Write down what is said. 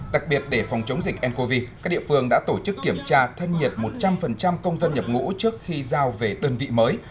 đặc biệt để phòng chống dịch ncov các địa phương đã tổ chức kiểm tra thân nhiệt một trăm linh công dân nhập ngũ trước khi giao về đơn vị mới